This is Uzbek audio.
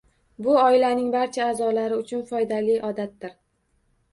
Bu oilaning barcha a’zolari uchun foydali odatdir.